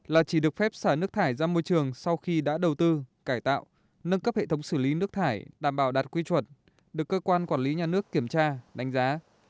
là chỉ được phép xả nước thải ra môi trường sau khi đã đầu tư cải tạo nâng cấp hệ thống xử lý nước thải đảm bảo đạt quy chuẩn được cơ quan quản lý nhà nước kiểm tra đánh giá